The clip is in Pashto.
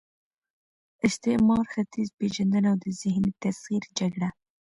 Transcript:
استعمار، ختیځ پېژندنه او د ذهني تسخیر جګړه